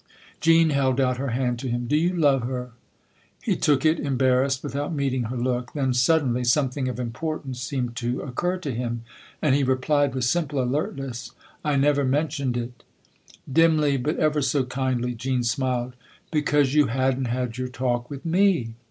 Jean held out her hand to him. " Do you love her?" He took it, embarrassed, without meeting her 236 THE OTHER HOUSE look ; then, suddenly, something of importance seemed to occur to him and he replied with simple alertness :" I never mentioned it !" Dimly, but ever so kindly, Jean smiled. " Because you hadn't had your talk with me